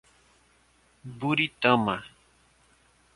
Buritama